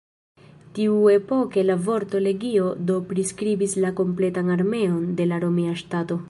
Tiuepoke la vorto "legio" do priskribis la kompletan armeon de la romia ŝtato.